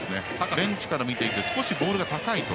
ベンチから見ていて少しボールが高いと。